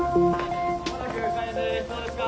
間もなく開演です。